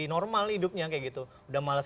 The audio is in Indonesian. normal hidupnya kayak gitu udah males